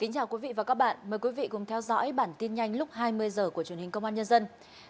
chào mừng quý vị đến với bản tin nhanh lúc hai mươi h của truyền hình công an nhân dân